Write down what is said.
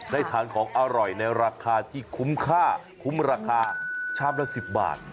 ได้ทานของอร่อยในราคาที่คุ้มค่าคุ้มราคาชามละ๑๐บาท